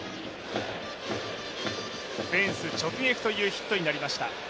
フェンス直撃というヒットになりました。